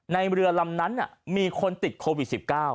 ในเรือลำนั้นมีคนติดโควิด๑๙